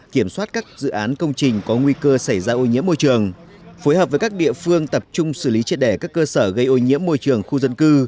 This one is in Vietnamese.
kiểm soát các dự án công trình có nguy cơ xảy ra ô nhiễm môi trường phối hợp với các địa phương tập trung xử lý triệt đẻ các cơ sở gây ô nhiễm môi trường khu dân cư